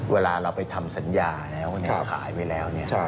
เวลาเราไปทำสัญญาแล้วขายไปแล้ว